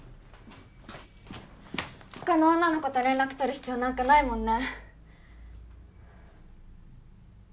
他の女の子と連絡取る必要なんかないもんね